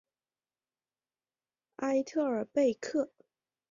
埃特尔贝克。